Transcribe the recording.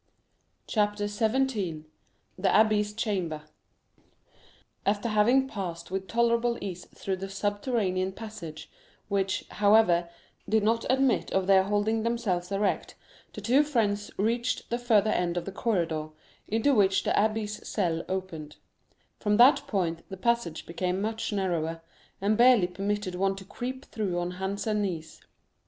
Chapter 17. The Abbé's Chamber After having passed with tolerable ease through the subterranean passage, which, however, did not admit of their holding themselves erect, the two friends reached the further end of the corridor, into which the abbé's cell opened; from that point the passage became much narrower, and barely permitted one to creep through on hands and knees.